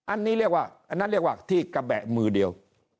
อันนี้เรียกว่าอันนั้นเรียกว่าที่กระแบะมือเดียว